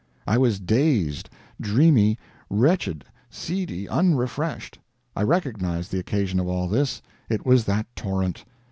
I was dazed, dreamy, wretched, seedy, unrefreshed. I recognized the occasion of all this: it was that torrent.